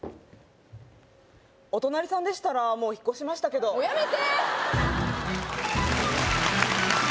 お隣さんでしたらもう引っ越しましたけどもうやめて！